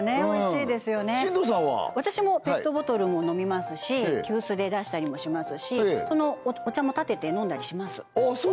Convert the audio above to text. おいしいですよね進藤さんは？私もペットボトルも飲みますし急須で出したりもしますしお茶もたてて飲んだりしますああ